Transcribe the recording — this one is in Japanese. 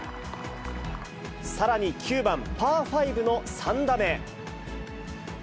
さらに９番、パー５の３打目。